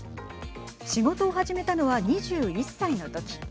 仕事を始めたのは２１歳のとき。